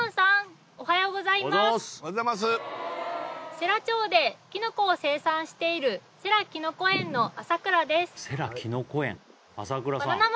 世羅町でキノコを生産している世羅きのこ園の浅倉です